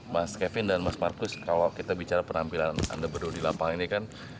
mas kevin dan mas marcus kalau kita bicara penampilan anda berdua di lapangan ini kan